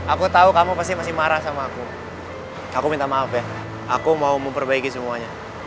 aku tahu kamu pasti marah sama aku aku minta maaf ya aku mau memperbaiki semuanya